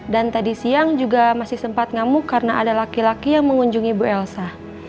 dan tadi siang juga masih sempat ngamuk karena ada laki laki yang mengunjungi bu elsa